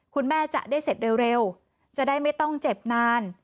คุณแม่จะได้เสร็จเร็วจะได้ไม่ต้องเจ็บนาน